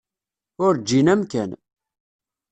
Ur ǧǧin amkan.